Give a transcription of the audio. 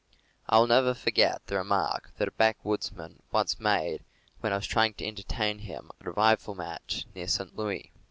I will never forget the remark that a backwoodsman once made when I was trying to entertain him at a rifle match near St. Louis.